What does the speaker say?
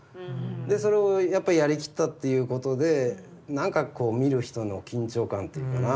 でそれをやっぱりやりきったということでなんかこう見る人の緊張感っていうかな